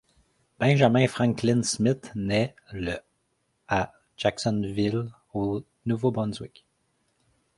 Benjamin Franklin Smith naît le à Jacksonville, au Nouveau-Brunswick.